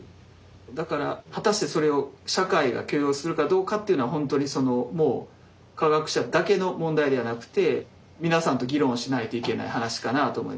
だから果たしてそれを社会が許容するかどうかというのはほんとにそのもう科学者だけの問題ではなくて皆さんと議論しないといけない話かなあと思います。